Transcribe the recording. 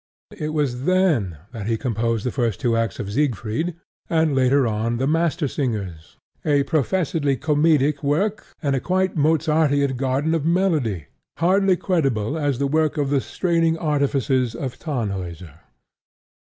It was then that he composed the first two acts of Siegfried, and later on The Mastersingers, a professedly comedic work, and a quite Mozartian garden of melody, hardly credible as the work of the straining artifices of Tanehauser.